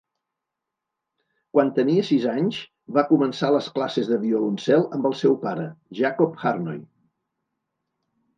Quan tenia sis anys, va començar les classes de violoncel amb el seu pare, Jacob Harnoy.